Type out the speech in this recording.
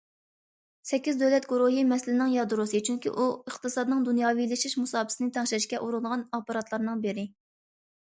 سەككىز دۆلەت گۇرۇھى مەسىلىنىڭ يادروسى، چۈنكى ئۇ ئىقتىسادنىڭ دۇنياۋىلىشىش مۇساپىسىنى تەڭشەشكە ئۇرۇنغان ئاپپاراتلارنىڭ بىرى.